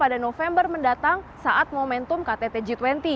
pada november mendatang saat momentum ktt g dua puluh